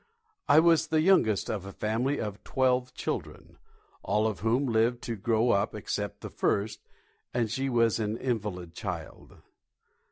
I was the youngest of a family of twelve children, all of whom lived to grow up except the first, and she was an invalid child.